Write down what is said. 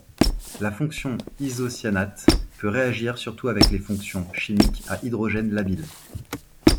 La fonction isocyanate peut réagir surtout avec les fonctions chimiques à hydrogène labile.